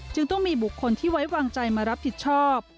จึงต้องมีบุคคลที่ไว้วางใจมารับผิดชอบ